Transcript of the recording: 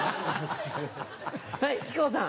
はい木久扇さん。